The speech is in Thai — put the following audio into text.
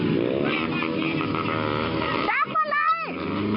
โว้ยไอ้